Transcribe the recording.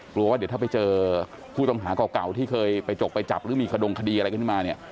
กลัวว่าเดี๋ยวถ้าไปเจอผู้ต้องหาเก่าที่เคยไปจกไปจับหรือมีขดงคดีอะไรขึ้นมาเนี่ย